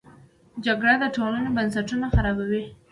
جګړه د ټولنې بنسټونه خرابوي